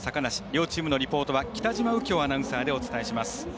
両チームのリポートは北嶋右京アナウンサーでお伝えします。